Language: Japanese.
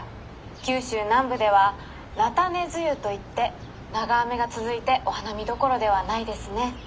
九州南部では菜種梅雨といって長雨が続いてお花見どころではないですね」。